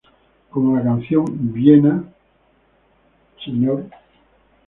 Como la canción "Vienna", "Mr.